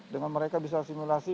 dengan mereka bisa asimilasi